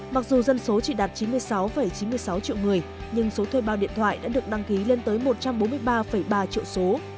mặc dù dân số chỉ đạt chín mươi sáu chín mươi sáu triệu người nhưng số thuê bao điện thoại đã được đăng ký lên tới một trăm bốn mươi ba ba triệu số